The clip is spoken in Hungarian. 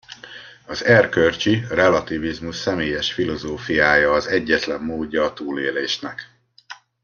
Az erkölcsi relativizmus személyes filozófiája az egyetlen módja a túlélésnek.